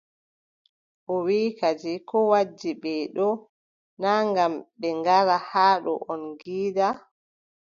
O wiʼi kadi koo waddi ɓe ɗo, naa ngam ɓe ngara haa ɗo on ngiida.